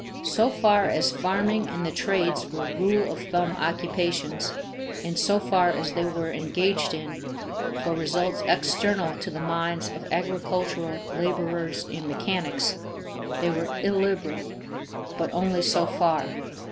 So far as farming and the trades were rule of thumb occupations and so far as they were engaged in for results external to the minds of agricultural laborers and mechanics, they were illiberal but only so far.